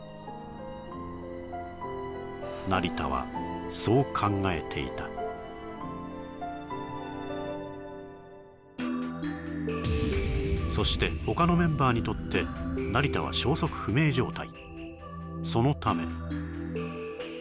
成田はそう考えていたそして他のメンバーにとって成田は消息不明状態